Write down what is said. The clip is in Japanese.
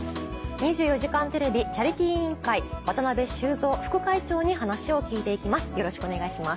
「２４時間テレビチャリティー委員会」渡修三副会長に話を聞いていきます